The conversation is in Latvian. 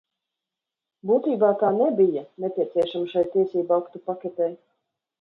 Būtībā tā nebija nepieciešama šai tiesību aktu paketei.